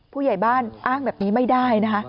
ผู้ใหญ่บ้านอ้างแบบนี้ไม่ได้นะคะ